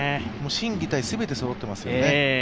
心技体、全てそろっていますね。